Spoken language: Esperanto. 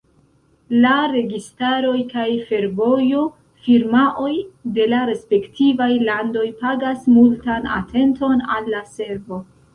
La registaroj kaj fervojo-firmaoj de la respektivaj landoj pagas multan atenton al la servo.